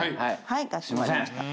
はいかしこまりました。